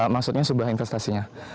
maksudnya sebuah investasinya